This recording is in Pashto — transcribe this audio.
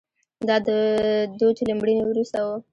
دا د دوج له مړینې وروسته و